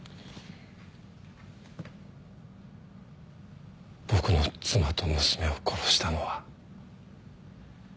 僕の妻と娘を殺したのは。